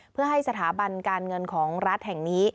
เพื่อให้สถาบันการเงินของรัฐแห่งนี้